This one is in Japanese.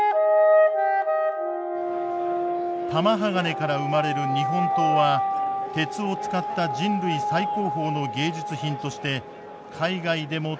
玉鋼から生まれる日本刀は鉄を使った人類最高峰の芸術品として海外でも高い評価を獲得している。